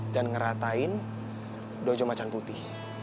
dan ngeratain dojo macan putih